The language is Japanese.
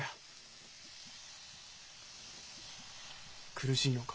苦しいのか？